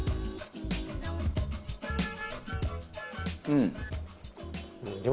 うん。